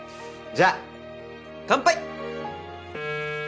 じゃあ乾杯！